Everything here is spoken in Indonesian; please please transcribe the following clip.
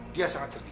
dia sangat cerdik